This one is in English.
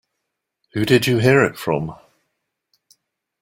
Who did you hear it from?